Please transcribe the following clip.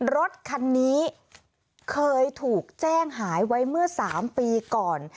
รถคันนี้เคยถูกแจ้งหายไว้เมื่อ๓ปีก่อน